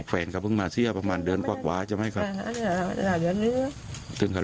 แฟงกับวึงมาเสียประมาณเดือนปรอกวาใช่ไหมครับ